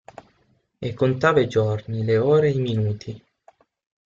E contava i giorni, le ore, i minuti.